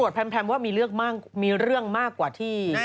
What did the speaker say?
ตำรวจแพมว่ามีเรื่องมากกว่าที่ให้การ